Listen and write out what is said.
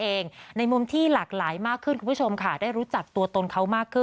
เองในมุมที่หลากหลายมากขึ้นคุณผู้ชมได้รู้จักตัวตนเขา